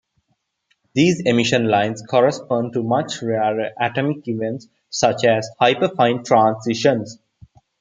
These emission lines correspond to much rarer atomic events such as hyperfine transitions.